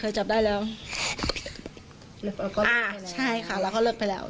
เคยจับได้แล้วใช่ค่ะแล้วเขาเลิกไปแล้ว